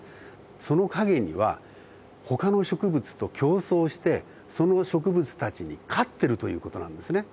その陰にはほかの植物と競争してその植物たちに勝ってるという事なんですね。